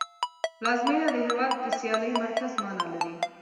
پلازمېنه د هېواد د سیاسي مرکز مانا لري